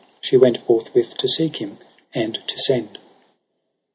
She went forthwith to seek him and to send.